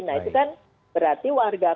nah itu kan berarti warga